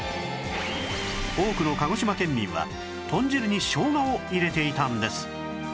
多くの鹿児島県民は豚汁にしょうがを入れていたんです